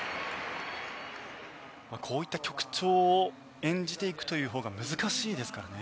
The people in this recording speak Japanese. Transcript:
こういった曲調を演じていくというほうが難しいですからね。